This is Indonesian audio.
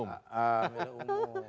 ya milik umum